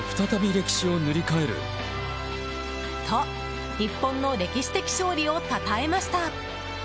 と、日本の歴史的勝利をたたえました。